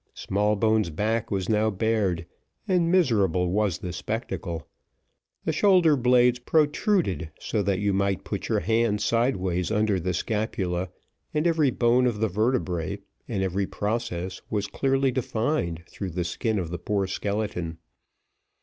Smallbones' back was now bared, and miserable was the spectacle; the shoulder blades protruded, so that you might put your hand sideways under the scapula, and every bone of the vertebræ, and every process was clearly defined through the skin of the poor skeleton.